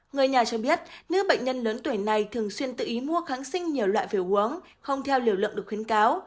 người nhà cho biết nữ bệnh nhân lớn tuổi này thường xuyên tự ý mua kháng sinh nhiều loại phải uống không theo liều lượng được khuyến cáo